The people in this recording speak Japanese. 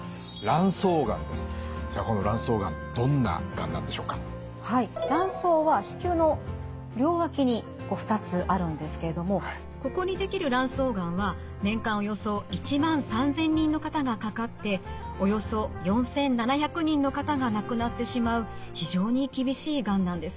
卵巣は子宮の両脇に２つあるんですけれどもここに出来る卵巣がんは年間およそ１万３，０００人の方がかかっておよそ４，７００人の方が亡くなってしまう非常に厳しいがんなんです。